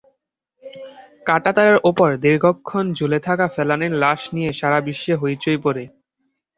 কাঁটাতারের ওপর দীর্ঘক্ষণ ঝুলে থাকা ফেলানীর লাশ নিয়ে সারা বিশ্বে হইচই পড়ে।